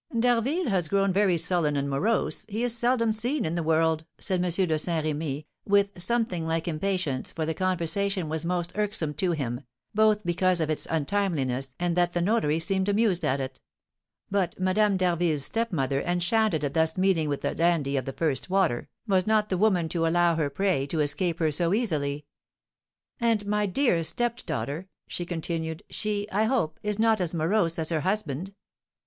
"D'Harville has grown very sullen and morose; he is seldom seen in the world," said M. de Saint Remy, with something like impatience, for the conversation was most irksome to him, both because of its untimeliness and that the notary seemed amused at it; but Madame d'Harville's stepmother, enchanted at thus meeting with a dandy of the first water, was not the woman to allow her prey to escape her so easily. "And my dear stepdaughter," she continued, "she, I hope, is not as morose as her husband?"